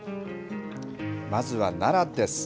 まずは奈良です。